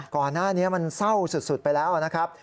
ก่อนหน้านี้มันเศร้าสุดไปแล้วนะครับ